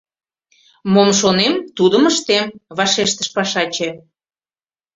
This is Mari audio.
— Мом шонем, тудым ыштем, — вашештыш пашаче.